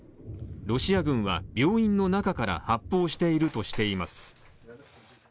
ロシア軍は病院の中から発砲しているとしています。